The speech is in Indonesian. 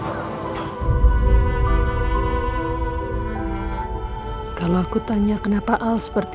tapi kok lewat makasih kaling pikir anda pergi